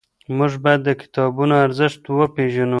موږ باید د کتابونو ارزښت وپېژنو.